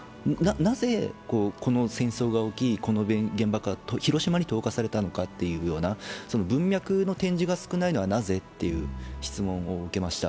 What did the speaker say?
なぜこの戦争が起き、この原爆が広島に投下されたのか、文脈の展示が少ないのはなぜ？という質問を受けました。